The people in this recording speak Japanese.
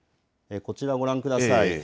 こちらご覧ください。